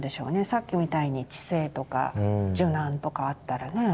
さっきみたいに知性とか受難とかあったらね。